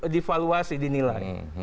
di valuasi di nilai